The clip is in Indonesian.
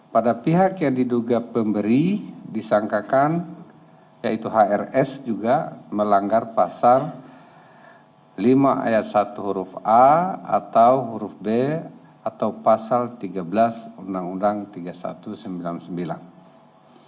pada pihak yang diduga pemberi disangkakan yaitu hrs juga melanggar pasal lima ayat satu huruf a atau huruf b atau pasal tiga belas undang undang tiga ribu satu ratus sembilan puluh sembilan